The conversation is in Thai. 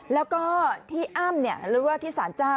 แล้วก็ที่อ้ำหรือว่าที่สารเจ้า